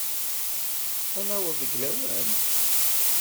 Ad naweḍ deg lawan?